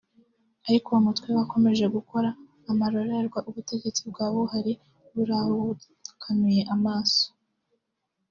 ariko uwo mutwe wakomeje gukora amarorerwa ubutegetsi bwa Buhari buri aho bukanuye amaso